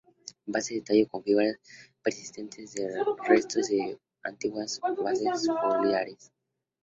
Base del tallo con fibras persistentes de restos de antiguas bases foliares.